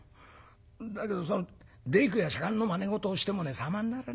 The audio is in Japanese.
だけど大工や左官のまね事をしてもね様にならねえんだ。